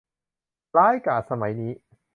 ร้ายกาจสมัยนี้